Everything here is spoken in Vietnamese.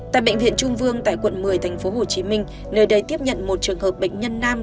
tại bệnh viện trung vương tại quận một mươi tp hcm nơi đây tiếp nhận một trường hợp bệnh nhân nam